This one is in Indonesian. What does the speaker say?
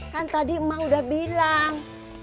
kan tadi emak udah bilang